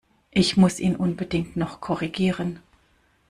Ich muss ihn unbedingt noch korrigieren!